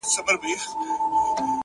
نن خو يې بيادخپل زړگي پر پاڼه دا وليكل.!